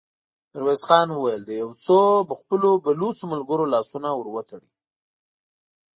ميرويس خان وويل: د يو څو خپلو بلوڅو ملګرو لاسونه ور وتړئ!